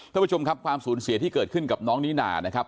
ท่านผู้ชมครับความสูญเสียที่เกิดขึ้นกับน้องนิน่านะครับ